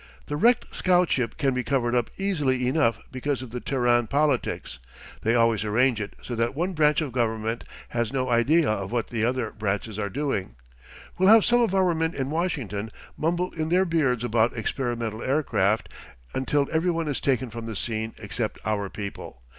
"The wrecked scout ship can be covered up easily enough because of the Terran politics; they always arrange it so that one branch of government has no idea of what the other branches are doing. We'll have some of our men in Washington mumble in their beards about experimental aircraft until everyone is taken from the scene except our people.